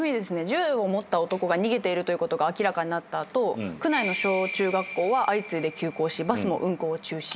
銃を持った男が逃げているということが明らかになった後区内の小中学校は相次いで休校しバスも運行を中止。